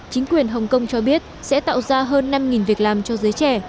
chính quyền hồng kông cho biết sẽ tạo ra hơn năm việc làm cho giới trẻ